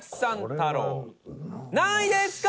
太郎、何位ですか？